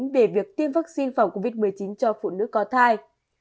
về việc tiêm vaccine phòng covid một mươi chín cho phụ nữ có thai